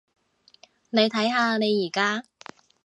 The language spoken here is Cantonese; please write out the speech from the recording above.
你睇下你而家？